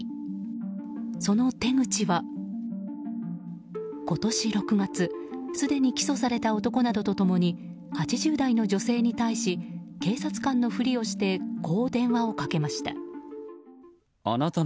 その手口は、今年６月すでに起訴された男などと共に８０代の女性に対し警察官のふりをしてこう電話をかけました。